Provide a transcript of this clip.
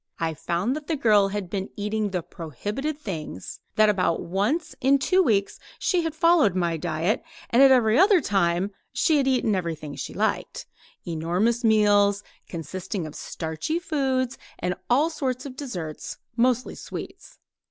I found that the girl had been eating the prohibited things; that about once in two weeks she had followed my diet, and at every other time she had eaten everything she liked enormous meals, consisting of starchy foods and all sorts of desserts mostly sweets.